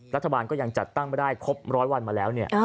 รัฐบาลก็ยังจัดตั้งไม่ได้ครบร้อยวันมาแล้วเนี่ย